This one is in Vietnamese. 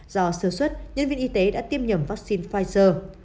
do sơ xuất nhân viên y tế đã tiêm nhầm vaccine pfizer